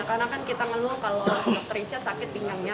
karena kan kita ngeluh kalau dokter richard sakit pinggangnya